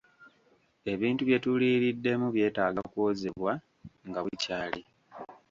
Ebintu bye tuliiriddemu byetaaga kwozebwa nga bukyali.